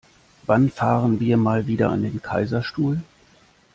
Wann fahren wir mal wieder an den Kaiserstuhl?